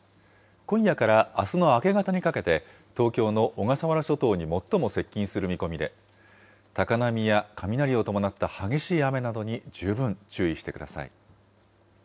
今夜からあすの明け方にかけて、東京の小笠原諸島に最も接近する見込みで、高波や雷を伴った激しい雨などに十分注意してください。